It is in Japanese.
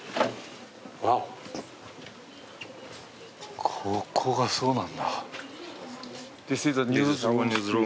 あ、ここがそうなんだ。